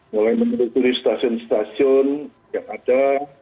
mulai menelusuri stasiun stasiun yang ada